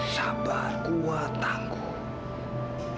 sabar kuat tangguh